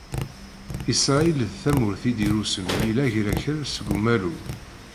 Israyil d tamurt i d-irusem yill Agrakal seg umalu.